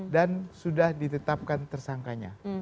dan sudah ditetapkan tersangkanya